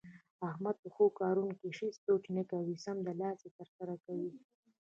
احمد په ښو کارونو کې هېڅ سوچ نه کوي، سمدلاسه یې ترسره کوي.